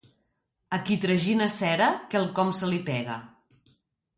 A qui tragina cera quelcom se li pega.